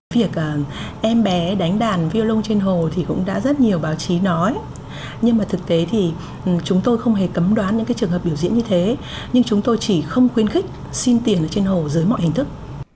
việc em bé đánh đàn violon trên hồ thì cũng đã rất nhiều báo chí nói nhưng mà thực tế thì chúng tôi không hề cấm đoán những trường hợp biểu diễn như thế nhưng chúng tôi chỉ không khuyến khích xin tiền ở trên hồ dưới mọi hình thức